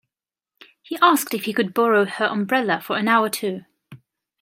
He asked if he could borrow her umbrella for an hour or two